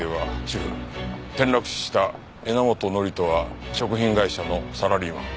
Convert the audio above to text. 転落死した榎本紀人は食品会社のサラリーマン。